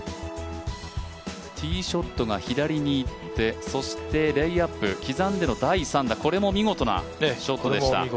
ティーショットが左にいってそしてレイアップ刻んでの第３打これも見事なショットでした。